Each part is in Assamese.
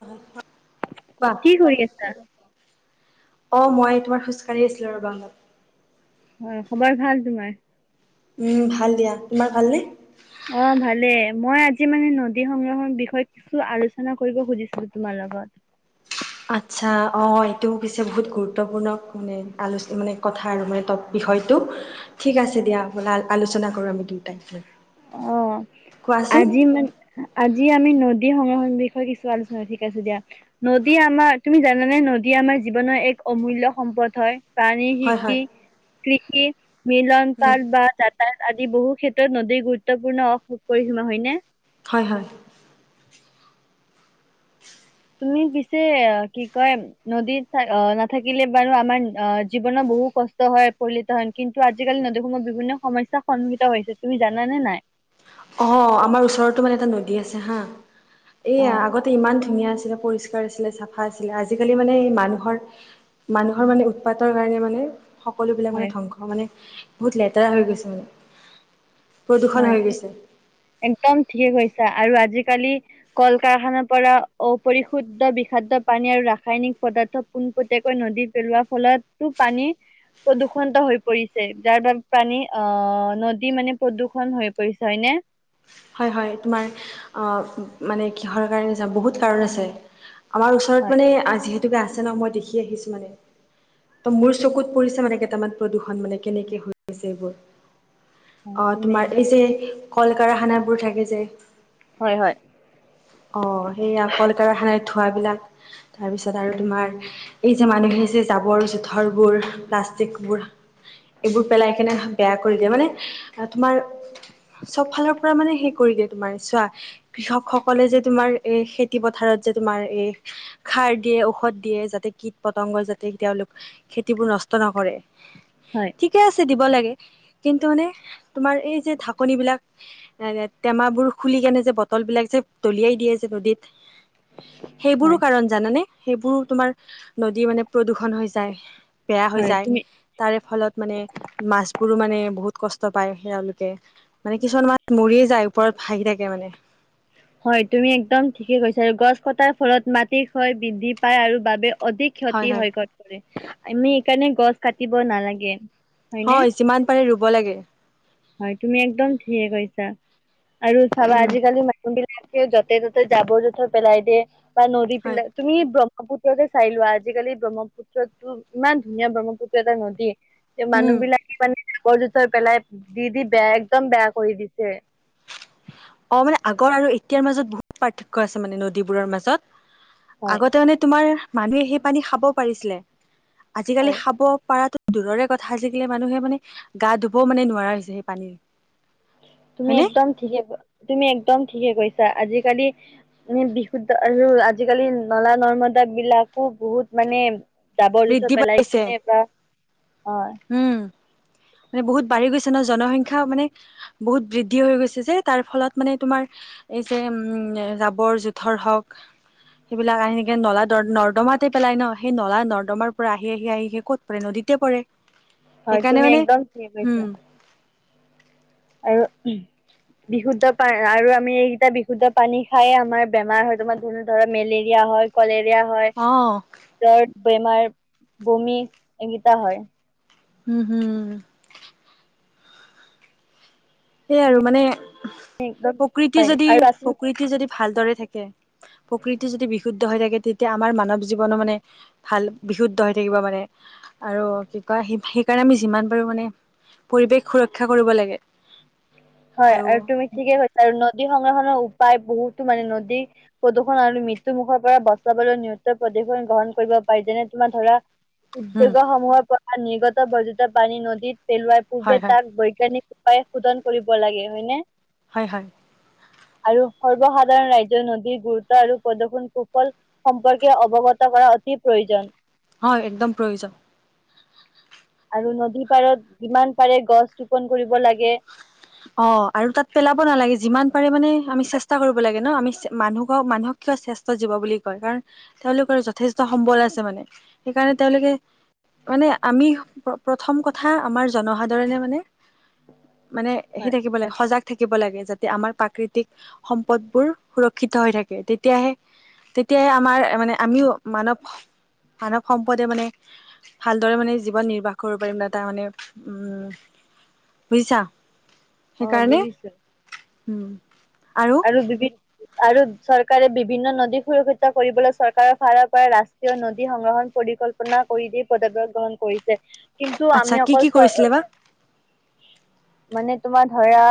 [unintelligible] কোৱা। কি কৰি আছা? অ' মই তোমাৰ খোজকাঢ়ি আছিলো ৰবা! হয়! খবৰ ভাল তোমাৰ? উম! ভাল দিয়া? তোমাৰ ভালনে? অ' ভালে মই আজি মানে নদী সংগ্ৰহণ বিষয়ত, কিছু আলোচনা কৰিব খুজিছিলো তোমাৰ লগত! আচ্ছা অ'এইটো পিছে বহুত গুৰুত্বপূৰ্ণ মানে আলোচনা মানে কথা আৰু মানে তৎ বিষয়টো, ঠিক আছে দিয়া আপোনাক আলোচনা কৰো আমি দুইটাই। অ'আজি মানে? আজি আমি নদী সংৰক্ষণৰ বিষয়ে কিছু আলোচনা ঠিক আছে দিয়া? নদী আমাৰ, তুমি জানানে নদী আমাৰ জীৱনৰ এক অমূল্য সম্পদ হয়! [inaudible] হয় হয় [unintelligible] মিলন উম পাল বা আদি বহু ক্ষেত্ৰত নদীৰ গুৰুত্বপূৰ্ণ অ সু পৰিসীমা হয়নে? হয়! হয়! তুমি পিছে, কি কয়? নদীত অ' নাথাকিলে বাৰু আমাৰ অ জীৱনৰত বহু কষ্ট হয়, পৰি লক্ষিত হয় নেকি? কিন্তু আজিকালি নদীসমূহত বিভিন্ন সমস্যা সন্মুখীত হৈছে তুমি জানা নে নাই? অ' আমাৰ ওচৰতো এটা নদী আছে হা! অ এইয়া আগত ত' ইমান ধুনীয়া আছিলে, পৰিষ্কাৰ আছিলে চাফা আছিলে, আজিকালি মানে মানুহৰ মানুহৰ মানে উৎপাতৰ কাৰণে মানে? সকলোবিলাক মানে হয় ধ্বংস মানে, বহুত লেতেৰা হৈ গৈছে মানে। প্ৰদূষণ হয় হৈ তুমি গৈছে। একদম ঠিকে কৈছা, আৰু আজি কালি কল -কাৰখানাৰ পৰা অপৰিশুদ্ধ বিষাদ পানী আৰু ৰাসায়নিক পদাৰ্থ পোনপটীয়াকৈ নদীত পেলোৱাৰ ফলত তো পানী প্ৰদূষণ হৈ পৰিছে যাৰ বাবে প্ৰানী আহ নদী মানে প্ৰদূষণ হৈ পৰিছে, হয়নে। হয়! হয়! তোমাৰ অ' মানে কিহৰ কাৰণে, বহুত কাৰণ আছে! আমাৰ ওচৰত হয় মানে যিহেতুকে আছে ন, মই দেখি আহিছো মানে? ত'মোৰ চকুত পৰিছে মানে, কেইটামান প্ৰদূষণ মানে কেনেকে হৈ আছে এইবোৰ? হয় অ' তুমি তোমাৰ একদম এই যে কল কাৰখানাবোৰ থাকে যে? হয় হয় অ' সেইয়া অকলল কাৰখানাই ধোঁৱাবিলাক তাৰপিছত আৰু তোমাৰ? এই যে মানুহে যে জাবৰ জোথৰবোৰ প্লাষ্টিকবোৰ এইবোৰ পেলাই কিনে বেয়া কৰি দিয়ে মানে তোমাৰ চব ফালৰ মানে সেই কৰি দিয়ে, তোমাৰ চোৱা? কৃষক সকলে যে, তোমাৰ এই খেতি পথাৰত যে তোমাৰ এই খাৰ দিয়ে, ঔষধ দিয়ে, যাতে কীট পতংগ যাতে তেওঁলোক খেতিবোৰ নষ্ট নকৰে। হয়। ঠিকেই আছে দিব লাগে, কিন্তু মানে তোমাৰ এই যে ঢাকনি বিলাক টেমাবোৰ খুলি কেনে যে, বটল বিলাক যে দলিয়াই দিয়ে যে নদীত, সেইবোৰো হয়। কাৰণ জানানে, সেইবোৰো তোমাৰ- নদী মানে প্ৰদূষণ হৈ যায়, বেয়া হৈ হয় যায়। তুমি তাৰে ফলত মানে, মাছবোৰো মানে, বহুত কষ্ট পায় তেওঁলোকে, মানে কিছুমান মাছ, মৰি যায়, ওপৰত ভাহি থাকে মানে। হয়, তুমি একদম ঠিকে কৈছা আৰু গছ কটাৰ ফলত মাটিৰ ক্ষয় বৃদ্ধি পায় আৰু বাবে অধিক ক্ষতি হয় কৰে। ‌ আমি সেইকাৰণে গছ কাটিব নালাগে। হয়নে হয়, যিমান পাৰে ৰুব লাগে। হয়, তুমি একদম ঠিকে কৈছা, আৰু চাবা উম আজিকালি মানুহবিলাক য'তে-ত'তে যাবৰ-জোথৰ পেলাই দিয়ে বা হয় নদীবিলাক তুমি ব্ৰহ্মপুত্ৰকেই চাই লোৱা, আজিকালি ব্ৰহ্মপু পুত্ৰতো ইমান ধুনীয়া ব্ৰহ্মপুত্ৰ এটা নদী। উম মানুহ বিলাকে মানে যাবৰ-জোথৰ পেলাই, দি-দি বেয়া একদম বেয়া কৰি দিছে। অঁ! মানে আগৰ আৰু এতিয়াৰ মাজত বহুত পাৰ্থক্য আছে মানে, নদীবোৰৰ মাজত। হয় আগতে মানে তোমাৰ, মানুহে সেই পানী খাব পাৰিছিলে। আজিকালি হয় খাব পাৰাটো দূৰৰে কথা আজিকালি মানুহে মানে গা ধুবও মানে নোৱাৰা হৈছে সেই পানীৰ। তুমি হয়নে একদম ঠিকেই, তুমি একদম ঠিকেই কৈছা। আজিকালি পানী বিশুদ্ধ আৰু আজিকালি নলা-নৰ্মদা বিলাকো বহুত মানে যাবৰ-জোথৰ বৃদ্ধি পেলাই পাইছে কিনে বা অ উম মানে বহুত বাঢ়ি গৈছে ন, জনসংখ্যা মানে বহুত বৃদ্ধি হৈ গৈছে যে, তাৰফলত মানে তোমাৰ এই যে উম, জাবৰ-জোথৰ হওঁক সেইবিলাক আনি সেনেকে নলা-নৰ্দমাতে পেলাই ন, সেই নলা-নৰ নৰ্দমাৰ পৰা আহি-আহি-আহি-আহি ক'ত পৰে? নদীতে পৰে। হয়, সেইকাৰণে তুমি মানে একদম ঠিকেই উম কৈছা। আৰু বিশুদ্ধ পা আৰু আমি এইকেইটা বিশুদ্ধ পানী খাইয়েই আমাৰ বেমাৰ হয়। তোমাৰ ধৰ ধৰা মেলেৰিয়া হয়। কলেৰিয়া হয়, অ জ্বৰ বেমাৰ, বমি, এইকেইটা হয়। উম! হুম। সেইয়েই আৰু তুমি মানে একদম প্ৰকৃতি হয় যদি, আৰু প্ৰাচীন প্ৰকৃতি যদি ভালদৰে থাকে। প্ৰকৃতি যদি বিশুদ্ধ হৈ থাকে, তেতিয়া আমাৰ মানৱ জীৱনো মানে ভাল, বিশুদ্ধ হৈ থাকিব মানে আৰু কি কয়? সেইকাৰণে আমি যিমান পাৰো মানে পৰিৱেশ সুৰক্ষা কৰিব লাগে। হয় আৰু তুমি ঠিকেই কৈছা আৰু নদী সংৰক্ষনৰ উপায় বহুতো মানে নদী প্ৰদূষণ আৰু মৃত্যু মুুখৰ পৰা বচাবলৈ নিয়তৰ প্ৰদূষণ গ্ৰহণ কৰিব পাৰি। যেনে তোমাৰ ধৰা [unintelligible] উম উদ্যোগসমূহৰ পৰা নিৰ্গত বৰ্জিত পানী নদীত পেলাই পূৰ্বে হয় হয় বৈজ্ঞানিক ৰূপে সোধন কৰিব লাগে হয় নে? হয়-হয়। আৰু সৰ্বসাধাৰণ ৰাজ্যৰ নদীৰ গুৰুত্ব আৰু প্ৰদূষণ কুফল সম্পৰ্কে অৱগত কৰা অতি প্ৰয়োজন। হয়, একদম প্ৰয়োজন। আৰু নদী পাৰত যিমান পাৰে গছ ৰোপন কৰিব লাগে। অঁ! আৰু তাত পেলাব নালাগে, যিমান পাৰে মানে আমি চেষ্টা কৰিব লাগে ন। আমি মানুহক-মানুহক শ্ৰেষ্ঠ জীৱ বুলি কয় কাৰণ তেওঁলোকৰ যথেষ্ট সম্বল আছে মানে। সেইকাৰণে তেওঁলোকে মানে আমি প্ৰথম কথা আমাৰ জনসাধাৰণে মানে [inaudible] সি থাকিবলে সজাগ থাকিব লাগে যাতে আমাৰ প্ৰাকৃতিক সম্পদবোৰ সুৰক্ষিত হৈ থাকে তেতিয়াহে তেতিয়াই আমাৰ মানে আমিও মানৱ-মানৱ সম্পদে মানে ভালদৰে মানে জীৱন নিৰ্বাহ কৰিব পাৰিম তাৰ মানে উম। বুজিছা? অ সেইকাৰণে বুজিছো উম, আৰু আৰু বিভি-আৰু চৰকাৰে বিভিন্ন নদী [unintelligible] কৰিবলৈ চৰকাৰৰ ফালৰ পৰা ৰাস্তা তেওঁ নদী সংগ্ৰহণ পৰিকল্পনা কৰি দি [unintelligible] গ্ৰহণ কৰিছে। কিন্তু আচ্ছা আমি কি কি অকল চৰ কৰিছিলে বা মানে তোমাৰ ধৰা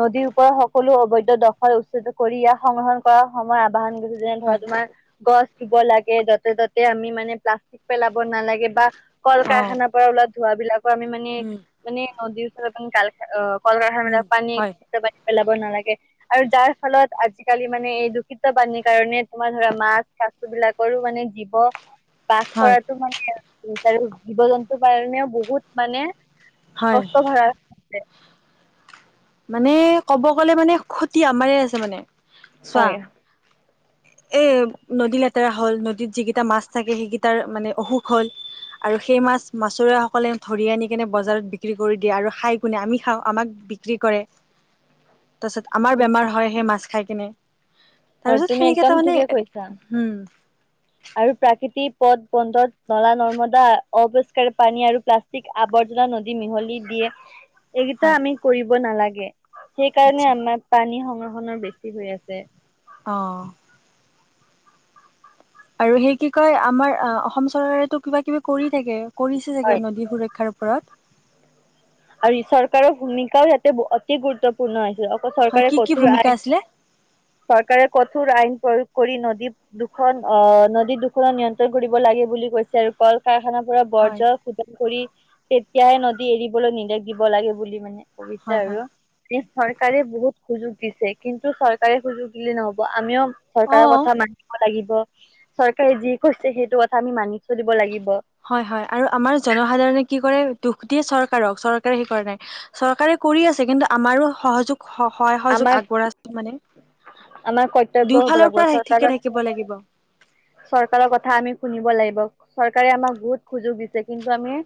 নদীৰ ওপৰত সকলো অবৈধ দ [unintelligible] কৰি ইয়াক সংগ্ৰহণ কৰাৰ সময় [unintelligible] যেনে ধৰা হয় তোমাৰ গছ ৰুব লাগে, য'তে ত'তে আমি মানে প্লাষ্টিক পেলাব নালাগে বা অ কাৰখানা পৰা ওলা ধোঁৱা বিলাকৰ আমি মানে, উম মানে নদীৰ ওচৰত [unintelligible] গাল অ' কল কাৰখানা মানে উম পানী হয় [unintelligible] পেলাব নালাগে। আৰু যাৰ ফলত আজিকালি মানে এই দূষিত পণীৰ কাৰণে তোমাৰ ধৰা মাছ-কাছ বস্তু বিলাকৰো মানে জীৱ বাস হয় কৰাটো মানে আৰু [unintelligible] জীৱ জন্তুৰ কাৰণেও বহুত মানে হয় কষ্ট ভৰা [unintelligible] মানে ক'ব গ'লে মানে ক্ষতি আমাৰ আছে মানে। চোৱা [inaudible] এ নদী লেতেৰা হ'ল, নদীত যিকেইটা মাছ থাকে সেইকেটাৰ মানে অসুখ হ'ল আৰু সেই মাছ মাছোৰাসকলে ধৰি আনি কেনে বজাৰত বিক্ৰী কৰি দিয়ে। আৰু খাই কোনে আমি খাওঁ আমাক বিক্ৰী কৰে। তাৰপিছত আমাৰ বেমাৰ হয় সেই মাছ খাই কিনে। হয়, তাৰপিছত তুমি সেনেকে একদম তাৰমানে ঠিকে কৈছা। উম আৰু প্ৰাকৃতিক পথ বন্দত নলা-নৰ্মদা অপৰিস্কাৰ পানী আৰু প্লাষ্টিক ষ্টিক আৱৰ্জনা নদী মিহলি দিয়ে এইকেইটা হয় আমি কৰিব নালাগে, সেইকাৰণে আচ্ছা আমাৰ পানী সংৰহনৰ বেছি হৈ আছে। অ'। আৰু হেই কি কয় আমাৰ অসম চৰকাৰেটো কিবা-কিবি কৰি থাকে। কৰিছে হয় চাগে নদী সুৰ ক্ষাৰ ওপৰত। আৰু ই চৰকাৰৰ ভূমিকাও ইায়াতে অতি গুৰুত্বপূৰ্ণ আছিল। অকল হয় চৰকাৰে কি কি কঠোৰ ভূমিকা আইন আছিলে চৰকাৰে কঠোৰ আইন প্ৰয়োগ কৰি নদী দুখন অ', নদী দুখনত নিয়ন্ত্ৰণ কৰিব লাগে বুলি কৈছে আৰু। কল কাৰখানাৰ পৰা হয় বৰ্জ শোধন কৰি তেতিয়াহে নদী এৰি বলৈ নিৰ্দেশ দিব লাগে বুলি মানে কৰিছে হয় হয় আৰু। চৰকাৰে বহুত সুযোগ দিছে। কিন্তু চৰকাৰে সুযোগ দিলে নহ'ব, আমিও অ চৰকাৰৰ কথা মানিব লাগিব। চৰকাৰে যি কৈছে কথা আমি মানি চলিব লাগিব। হয়, হয়। আৰু আমাৰ জনসাধাৰণে কি কৰে, দুখ দিয়ে চৰকাৰক চৰকাৰেহে কৰা নাই। চৰকাৰে কৰি আছে। কিন্তু আমাৰো সহযোগ স-সহায় সহযোগ আমাৰ আগবঢ়াই মানে? আমাৰ কৰ্তব্য হব দুয়োফালৰ লাগিব পৰা হে ঠিকে চৰকাৰৰ থাকিব লাগিব। চৰকাৰৰ কথা আমি শুনিব লাগিব। চৰকাৰে আমাক বহুত সুযোগ দিছে কিন্তু আমি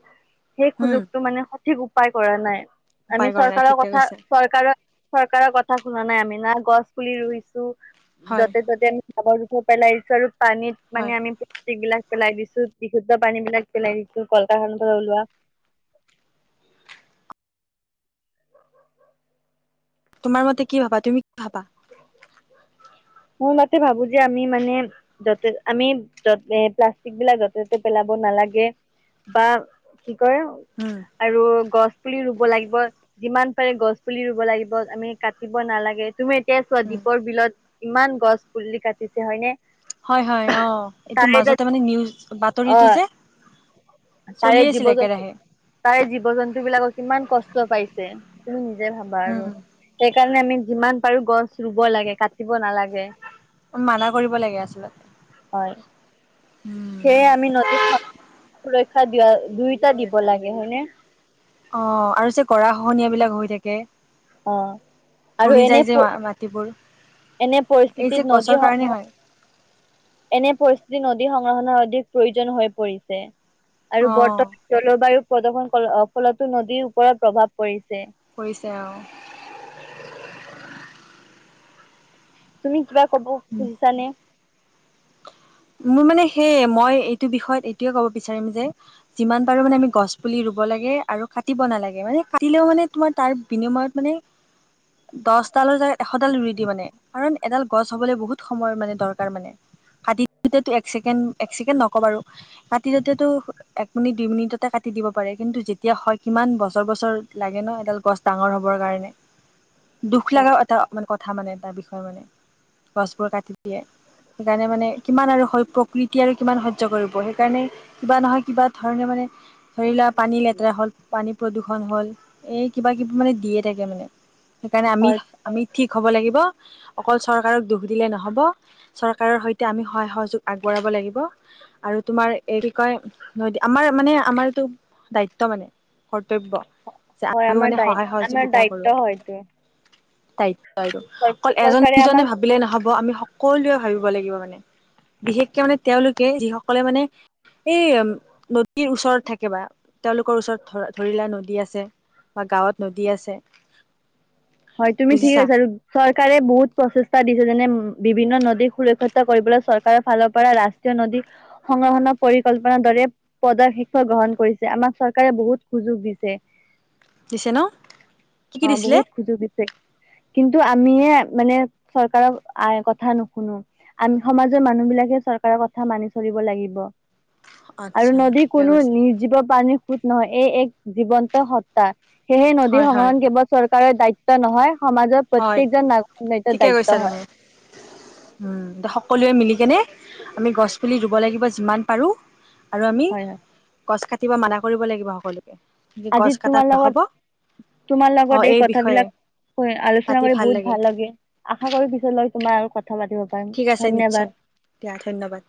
সেই উম সুযোগতো মানে সঠিক উপায় কৰা নাই। আমি উপায় কৰা নাই চৰকাৰৰ ঠিকে কথা কৈছে চৰকাৰৰ চৰকাৰৰ কথা শুনা নাই আমি। না গছ পুলি ৰুইছো, হয় য'তে ত'তে আমি জাবৰ-জোথৰ পেলাইছো আৰু পানীত হয় মানে আমি বিলাক পেলাই দিছো, বিশুদ্ধ পানী বিলাক পেলাই দিছো, কল কাৰখানা পৰা ওলোৱা [inaudible] তোমাৰ মতে কি ভাবা? তুমি কি ভাবা? মোৰ মতে ভাবো যে আমি মানে য'তে-আমি য'তে, প্লাষ্টিক বিলাক য'তে-ত'তে পেলাব নালাগে। বা কি কয় উম। আৰু গছ পুলি ৰুব লাগিব। যিমান পাৰে গছ পুলি ৰুব লাগিব, আমি কাটিব নালাগে, তুমি এতিয়া চোৱা উম দ্বীপৰ বিলত ইমান গছ পুলি কাটিছে হয়নে? হয় হয় অ', এইটো তাৰে এটা মাজতে মানে নিউজ অ বাতৰিটো যে তাৰে চলি জীৱ আছিল জন্তু একেৰাহে। তাৰে জীৱ জন্তু বিলাকক কিমান কষ্ট পাইছে, তুমি নিজে ভাবা আৰু। উম সেইকাৰণে আমি যিমান পাৰো গছ ৰুব লাগে কাটিব নালাগে। মানা কৰিব লাগে আচলতে। হয়। সেয়ে আমি নদীত সুৰক্ষা, দিয়া দুয়োটা দিব লাগে হয়নে? অ' আৰু যে গৰাখহনীয়া বিলাক হৈ থাকে। অ' আৰু খহি এনে, যায় যে মাটিবোৰ এনে এই যে পৰিস্থিতিত গছৰ নদী হ কাৰণে হয় এনে পৰিস্থিতিত নদী সংৰক্ষণৰ অধিক প্ৰয়োজন হৈ পৰিছে। আৰু অ বৰ্তমান জলবায়ু প্ৰদূষন ফলতো নদীৰ ওপৰত প্ৰভাৱ পৰিছে। কৰিছে অ। তুমি কিবা কব খুজিছা নে? মোৰ মানে সেয়ে মই এইটো বিষয়ত এইটোয়ে ক'ব বিচাৰিম যে যিমান পাৰো মানে আমি গছ পুলি ৰুব লাগে, আৰু কাটিব নালাগে মানে কাটিলেও মানে তোমাৰ তাৰ বিনিময়ত মানে [inaudible] দহ ডালৰ য এশডাল ৰুই দি মানে, কাৰণ এডাল গছ হবলৈ বহুত সময় মানে দৰকাৰ মানে। হেইটোয়েটো এক ছেকেণ্ড এক চেকেণ্ড নকওঁ বাৰু কাটি যাওঁতেটো এক মিনিট দুই মিনিটতে কাটি দিব পাৰে কিন্তু এতিয়া হয় কিমান বছৰ বছৰ লাগে ন, এডাল গছ ডাঙৰ হ'বৰ কাৰণে। দুখ লগা হয় এটা কথা মানে তাৰ বিষয়ে মানে, গছবোৰ কাটি দিয়ে, সেইকাৰণে মানে কিমান আৰু হয় প্ৰকৃতি আৰু কিমান সহ্য কৰিব সেইকাৰণে কিবা নহয় কিবা ধৰণে মানে, ধৰি লোৱা পানী লেতেৰা হ'ল পানী প্ৰদূষণ হ'ল, এই কিবাকিবি মানে দিয়ে থাকে মানে, সেইকাৰণে হয় আমি আমি ঠিক হ'ব লাগিব, অকল চৰকাৰক দোখ দিলে নহ'ব, চৰকাৰৰ সৈতে এতিয়া আমি সহায় সহযোগ আগবঢ়াব লাগিব। আৰু তোমাৰ এই কি কয় ন, আমাৰ মানে আমাৰটো দায়িত্ব মানে। কৰ্তব্য, যে হয় আমাৰ মানে দায় সহায় আমাৰ সহযোগিতা দায়িত্ব কৰো। হয়তো দায়িত্ব আৰু, অকল এজন চৰকাৰে দুজনে আমাক ভাবিলে নহব, আমি হক সকলোৱে ভাবিব লাগিব মানে, বিশেষকে মানে তেওঁলোকে যিসকলে মানে এই নদীৰ ওচৰত থাকে বা। তেওঁলোকৰ ওচৰত ধ ধৰিলোৱা নদী আছে, বা গাঁৱত নদী আছে। হয় তুমি ঠিকে বুজিছা কৈছা আৰু চৰকাৰে বহুত প্ৰচেষ্টা দিছে। যেনে বিভিন্ন নদী সুৰক্ষিত কৰিবলৈ চৰকাৰৰ ফালৰ পৰা নদী সংৰক্ষণৰ পৰিকল্পনাৰ দৰে [unintelligible] গ্ৰহণ কৰিছে আমাক চৰকাৰে বহুত সুযোগ দিছে। দিছে ন, কি কি দিছিলে? সুজোগ দিছে, কিন্তু আমিয়ে মানে চৰকাৰক আ কথা নুশুনো। আমি সমাজৰ মানুহ বিলাকে চৰকাৰৰ কথা মানি চলিব লাগিব। আৰু আচ্ছা নদীৰ ঠিকে কোনো কৈছা নি ৰ্জীৱ প্ৰানীৰ সুঁত নহয় এই এক জীৱন্ত সত্তা। সেয়েহে, নদী হয় হয় সংৰক্ষণ কেৱল চৰকাৰৰ দায়িত্ব নহয় সমাজৰ, হয় প্ৰত্যেকজন নাগ নৰ দায়িত্ব হয়। ও' সকলোৱে মিলিকেনে আমি গছপুলি ৰুব লাগিব যিমান পাৰো। আৰু আমি হয় হয় গছ কাটিব মানা কৰিব লাগিব সকলোকে। আজি গছ কটা তোমাৰ লগত নহ'ব তোমাৰ অ লগত এই বিষয়ে কথাবিলাক আলোচনা পাতি কৰি বহুত লাগিল ভাল লাগে আশা কৰো পিছলৈ তোমাৰ আৰু কথা পাতিব পাৰিম ঠিক আছে ধন্যবাদ নিশ্চয় দিয়া ধন্যবাদ।